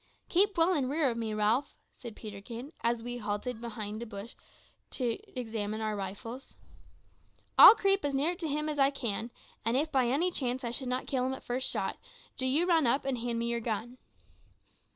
"Keep well in rear of me, Ralph," said Peterkin, as we halted behind a bush to examine our rifles. "I'll creep as near to him as I can, and if by any chance I should not kill him at the first shot, do you run up and hand me your gun."